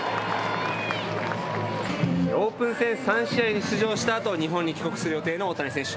オープン戦３試合に出場したあと、日本に帰国する予定の大谷選手。